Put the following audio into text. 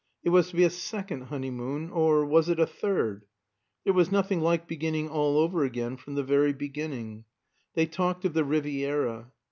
It was to be a second honeymoon or was it a third? There was nothing like beginning all over again from the very beginning. They talked of the Riviera.